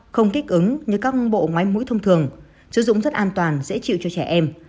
không thích ứng như các bộ máy mũi thông thường sử dụng rất an toàn dễ chịu cho trẻ em